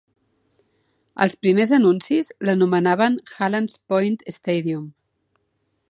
Els primers anuncis l'anomenaven Hanlan's Point Stadium.